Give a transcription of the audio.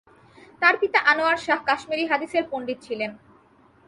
তাঁর পিতা আনোয়ার শাহ কাশ্মীরি হাদিসের পণ্ডিত ছিলেন।